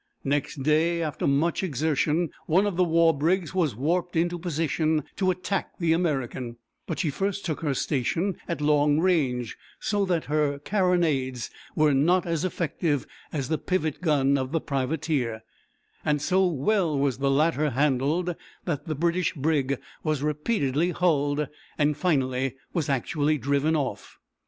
Next day, after much exertion, one of the war brigs was warped into position to attack the American, but she first took her station at long range, so that her carronades were not as effective as the pivot gun of the privateer; and so well was the latter handled, that the British brig was repeatedly hulled, and finally was actually driven off.